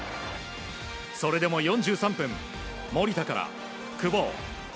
それでも４３分、守田から久保。